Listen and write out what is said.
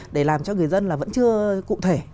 để làm cho người dân là vẫn chưa cụ thể